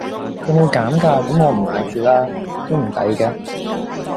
佢冇減價咁我唔買住啦都唔抵嘅